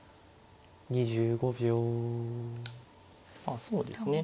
ああそうですね。